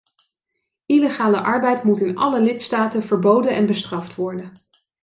Illegale arbeid moet in alle lidstaten verboden en bestraft worden.